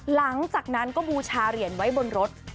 หลังจากนั้นก็บูชาเหรียญไว้บนรถ